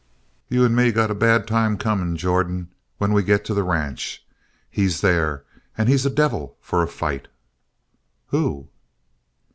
"You and me got a bad time coming, Jordan, when we get to the ranch. He's there, and he's a devil for a fight!" "Who?"